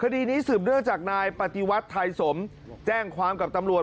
คดีนี้สืบเนื่องจากนายปฏิวัติไทยสมแจ้งความกับตำรวจ